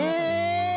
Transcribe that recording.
え